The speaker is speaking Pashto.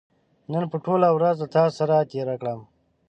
نن به ټوله ورځ له تاسو سره تېره کړم